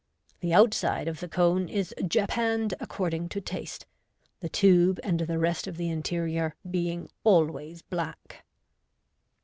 The outside of the cone is japanned accorning to taste, the tube and the rest of the interior being always black.